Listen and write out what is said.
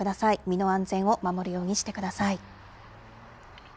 身の安全を守るようにしてください。